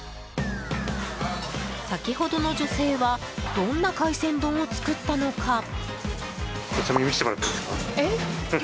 先ほどの女性はどんな海鮮丼を作ったのか。